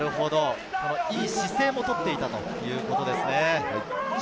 いい姿勢も取っていたということですね。